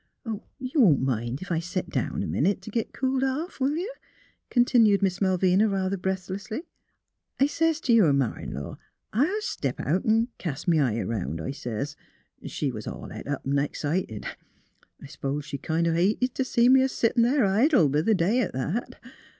" You won't mind ef I set down a minute t' git cooled off, will you? " continued Miss Malvina, rather breathlessly. " I sez t' your ma in law, ' I'll step out an' cast m' eye around,' I sez. She was all het up an' excited. I s'pose she kind o* hated to see me a settin' there idle, b' th' day at that.